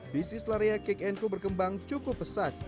bisnis larea kekenko berkembang cukup pesat